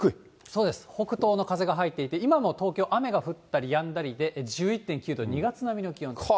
そうです、北東の風が入っていて、今も東京、雨が降ったりやんだりで、１１．９度、２月並みの気温です。